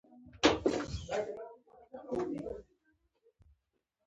زه هغه د هېواد یو معصوم کادر بللی دی.